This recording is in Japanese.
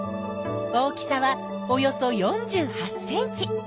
大きさはおよそ４８ｃｍ！